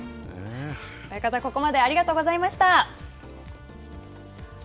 親方、ここまでありがとうございました。